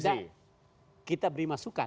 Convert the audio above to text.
tidak kita beri masukan